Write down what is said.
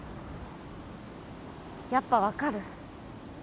やっぱ分かる？